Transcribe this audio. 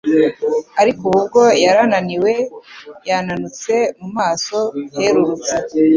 ariko ubu bwo yari ananiwe, yananutse, mu maso herurutse.